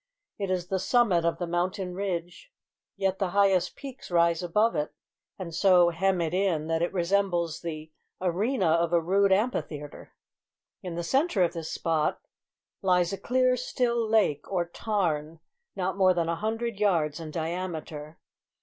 It is the summit of the mountain ridge; yet the highest peaks rise above it, and so hem it in that it resembles the arena of a rude amphitheatre. In the centre of this spot lies a clear, still lake, or tarn, not more than a hundred yards in diameter.